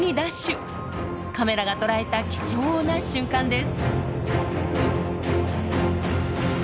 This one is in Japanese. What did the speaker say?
カメラが捉えた貴重な瞬間です。